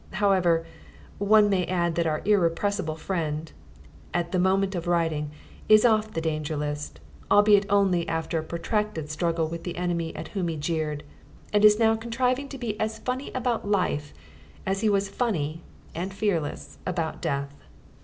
However, one may add that our irrepressible friend, at the moment of writing, is off the Danger List (albeit only after a protracted struggle with the Enemy at whom he jeered), and is now contriving to be as funny about life as he was funny and fearless about Death.